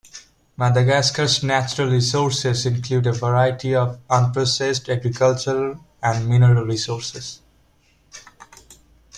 Madagascar's natural resources include a variety of unprocessed agricultural and mineral resources.